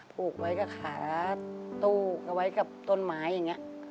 ผูกไว้กับขาตู้เอาไว้กับต้นไม้อย่างนี้